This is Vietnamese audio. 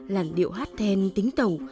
làn điệu hát then tính tẩu